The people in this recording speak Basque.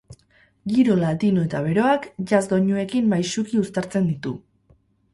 Giro latino eta beroak jazz doinuekin maisuki uztartzen ditu.